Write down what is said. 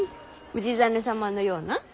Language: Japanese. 氏真様のような？